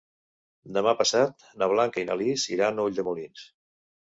Demà passat na Blanca i na Lis iran a Ulldemolins.